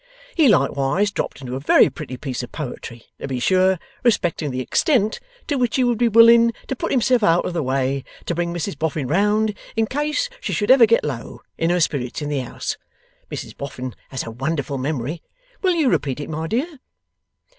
He likewise dropped into a very pretty piece of poetry to be sure, respecting the extent to which he would be willing to put himself out of the way to bring Mrs Boffin round, in case she should ever get low in her spirits in the house. Mrs Boffin has a wonderful memory. Will you repeat it, my dear?